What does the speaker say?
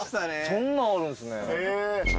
そんなんあるんすね。